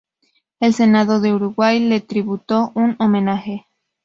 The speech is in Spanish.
El Senado de Uruguay le tributó un homenaje.